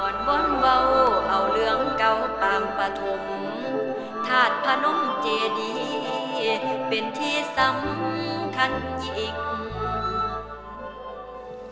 ธาตุพนมเจดีเป็นที่สำคัญจริง